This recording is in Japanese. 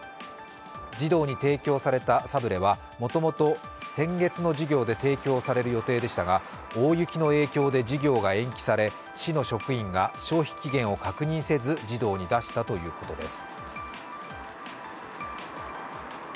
児童に提供されたサブレはもともと先月の授業で提供される予定でしたが大雪の影響で授業が延期され、市の職員が消費期限を確認せず児童に出したということです。